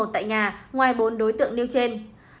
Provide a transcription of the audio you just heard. tại nhà ngoài bốn đối tượng nêu trên